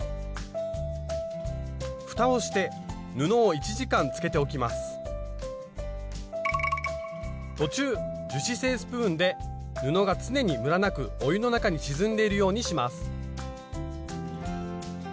ふたをして布を途中樹脂製スプーンで布が常にムラなくお湯の中に沈んでいるようにします。